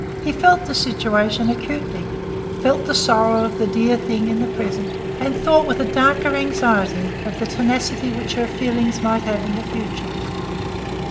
He felt the situation acutely, felt the sorrow of the dear thing in the present, and thought with a darker anxiety of the tenacity which her feelings might have in the future.